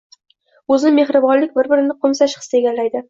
o‘rnini mehribonlik, bir-birini qo‘msash hissi egallaydi.